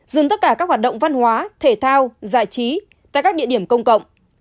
dừng tất cả các hoạt động văn hóa thể thao giải trí tại các địa điểm công cộng